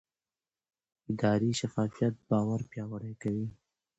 اداري شفافیت باور پیاوړی کوي